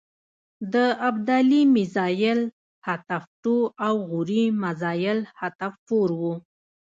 د ابدالي میزایل حتف ټو او غوري مزایل حتف فور و.